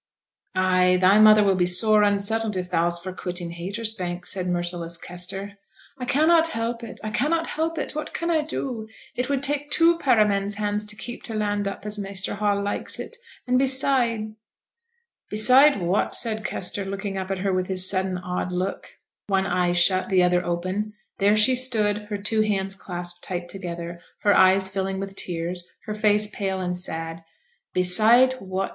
'Ay! thy mother will be sore unsettled if thou's for quitting Haytersbank,' said merciless Kester. 'I cannot help it; I cannot help it! What can I do? It would take two pair o' men's hands to keep t' land up as Measter Hall likes it; and beside ' 'Beside what?' said Kester, looking up at her with his sudden odd look, one eye shut, the other open: there she stood, her two hands clasped tight together, her eyes filling with tears, her face pale and sad. 'Beside what?'